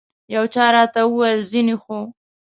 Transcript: یو چا راته وویل ځینې خو.